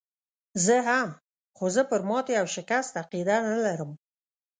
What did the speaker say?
زه هم، خو زه پر ماتې او شکست عقیده نه لرم.